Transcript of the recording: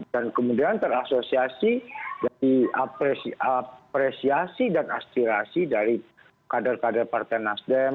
dan kemudian terasosiasi diapresiasi dan aspirasi dari kader kader partai nasdem